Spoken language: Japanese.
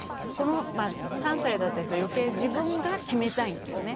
３歳だったりすると余計自分が決めたいんだよね。